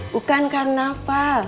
bukan karena apa